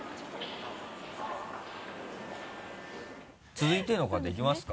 続いての方いきますか？